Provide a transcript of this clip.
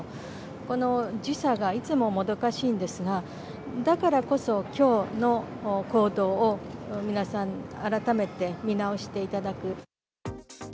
この時差がいつももどかしいんですが、だからこそ、きょうの行動を皆さん、改めて見直していただく。